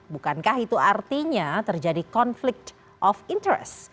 bukankah itu artinya terjadi konflik of interest